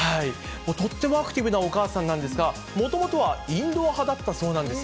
とってもアクティブなお母さんなんですが、もともとはインドア派だったそうなんです。